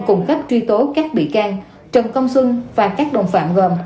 cung cấp truy tố các bị can trần công xuân và các đồng phạm gồm